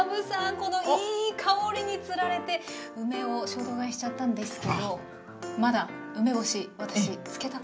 このいい香りにつられて梅を衝動買いしちゃったんですけどまだ梅干し私漬けたことなくて。